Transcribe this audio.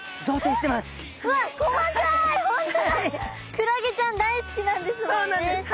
クラゲちゃん大好きなんですもんね。